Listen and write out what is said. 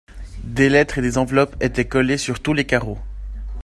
Des lettres et des enveloppes étaient collées sur tous les carreaux.